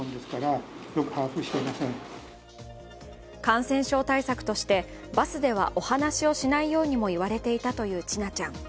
感染症対策としてバスではお話をしないようにも言われていたという千奈ちゃん。